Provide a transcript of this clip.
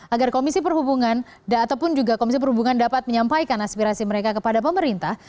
agar komisi perhubungan ataupun juga komisi perhubungan dapat menyampaikan aspirasi mereka kepada pemerintah